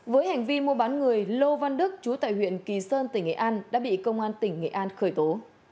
với hành vi mua bán người lô văn đức chú tại huyện kỳ sơn tỉnh nghệ an đã bị công an tỉnh nghệ an khởi tố